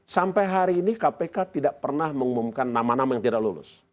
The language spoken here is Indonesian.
sampai hari ini kpk tidak pernah mengumumkan nama nama yang tidak lulus